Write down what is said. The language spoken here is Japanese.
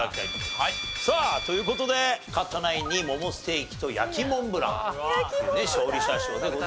という事で勝ったナインにモモステーキと焼きモンブラン勝利者賞でございますが。